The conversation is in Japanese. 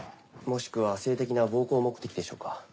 もしくは性的な暴行目的でしょうか。